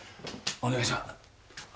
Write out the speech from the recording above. お願いします